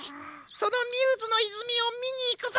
そのミューズのいずみをみにいくぞ！